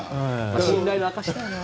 信頼の証しだよな。